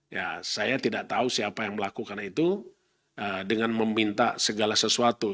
ya saya tidak tahu siapa yang melakukan itu dengan meminta segala sesuatu